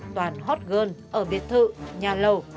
toàn hot girl ở biệt thự nhà lầu